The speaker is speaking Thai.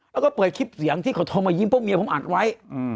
แล้วก็เปิดคลิปเสียงที่เขาโทรมายิ้มเพราะเมียผมอัดไว้